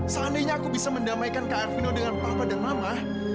seandainya aku bisa mendamaikan k arvino dengan papa dan mama